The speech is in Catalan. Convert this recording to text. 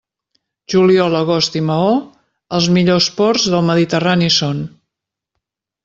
Juliol, agost i Maó, els millors ports del Mediterrani són.